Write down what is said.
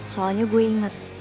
soalnya gue inget